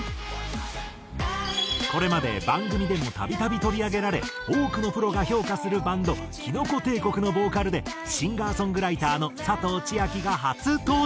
これまで番組でもたびたび取り上げられ多くのプロが評価するバンドきのこ帝国のボーカルでシンガーソングライターの佐藤千亜妃が初登場。